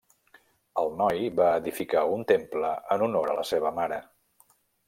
El noi va edificar un temple en honor a la seva mare.